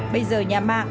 bây giờ nhà ma